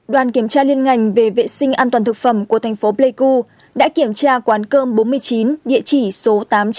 đoàn kiểm tra liên ngành về vệ sinh an toàn thực phẩm của thành phố pleiku đã kiểm tra quán cơm bốn mươi chín địa chỉ số tám trăm chín mươi